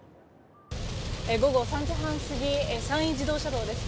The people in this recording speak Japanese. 午後３時半過ぎ山陰自動車道です。